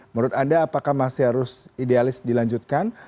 menurut anda apakah masih harus idealis dilanjutkan